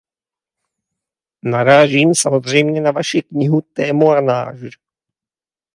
Narážím samozřejmě na vaši knihu Témoignage.